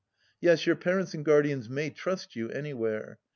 Yes, your parents and guardians may trust you anywhere.